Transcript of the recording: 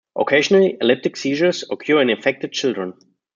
Occasionally, epileptic seizures occur in infected children.